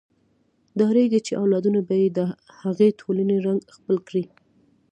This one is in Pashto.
ډارېږي چې اولادونه به یې د هغې ټولنې رنګ خپل کړي.